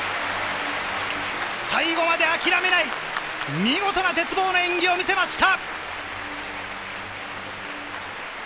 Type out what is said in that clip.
最後まで諦めない、見事な鉄棒の演技を見せました。